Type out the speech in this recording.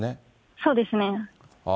そうですね。